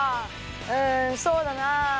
うんそうだなあ。